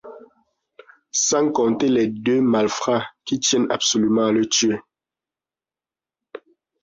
Sans compter les deux malfrats qui tiennent absolument à le tuer.